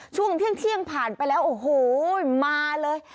ช่วงเที่ยงผ่านไปแล้วโอ้โหมาเลย